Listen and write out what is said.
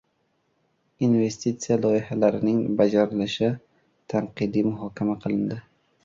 Investitsiya loyihalarining bajarilishi tanqidiy muhokama qilindi